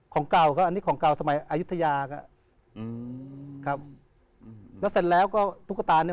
ของเก่าก็อันนี้ของเก่าสมัยอายุทยาก็อืมครับอืมแล้วเสร็จแล้วก็ตุ๊กตาเนี้ย